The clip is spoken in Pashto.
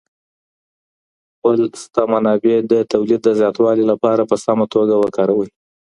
خپل شته منابع د توليد د زياتوالي لپاره په سمه توګه وکاروئ.